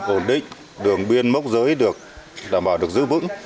ổn định đường biên mốc giới được đảm bảo được giữ vững